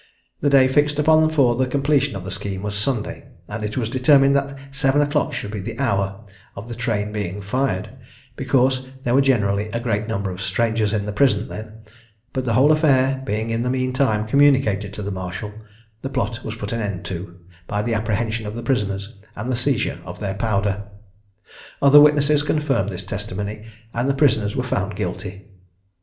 The day fixed upon for the completion of the scheme was Sunday, and it was determined that seven o'clock should be the hour of the train being fired, because there were generally a great number of strangers in the prison then; but the whole affair being in the mean time communicated to the marshal, the plot was put an end to, by the apprehension of the prisoners, and the seizure of their powder. Other witnesses confirmed this testimony, and the prisoners were found guilty.